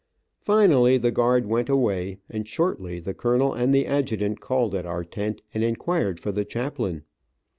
Finally the guard went away, and shortly the colonel and the adjutant called at our tent and inquired for the chaplain.